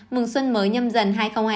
mừng xuân mới nhâm dần hai nghìn hai mươi